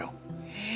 へえ。